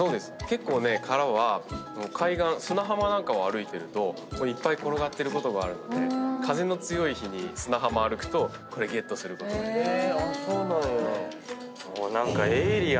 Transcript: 結構ね殻は海岸砂浜なんかを歩いてるといっぱい転がってることがあるので風の強い日に砂浜歩くとこれゲットすることができます。